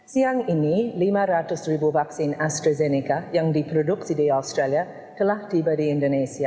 siang ini lima ratus ribu vaksin astrazeneca yang diproduksi di australia telah tiba di indonesia